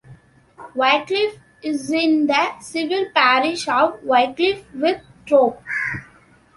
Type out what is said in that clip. Wycliffe is in the civil parish of Wycliffe with Thorpe.